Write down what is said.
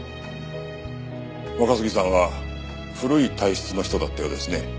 若杉さんは古い体質の人だったようですね。